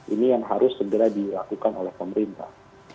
ini yang harus segera dilakukan oleh pemerintah